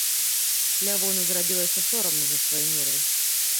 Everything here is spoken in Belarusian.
Лявону зрабілася сорамна за свае нервы.